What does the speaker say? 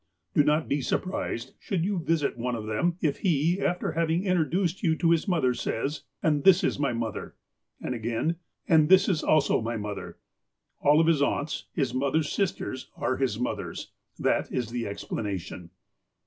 Do not be surprised, should you visit one of them, if he, after having introduced you to his mother, says : "And this is my mother." And again :" And this is also my mother." All of his aunts, his mother's sisters, are his mothers. That is the explanation.